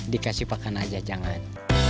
dikasih makan saja jangan